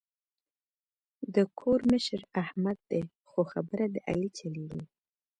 د کور مشر احمد دی خو خبره د علي چلېږي.